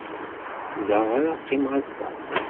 Da ara qqimeɣ ass-a.